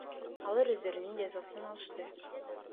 Алар өздөрүнүн жазасын алышты.